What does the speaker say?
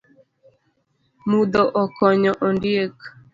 Mudho okonyo ondiek